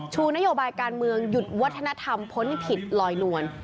ชูนโยบายการเมืองหยุดวัฒนธรรมพ้นผิดลอยนวล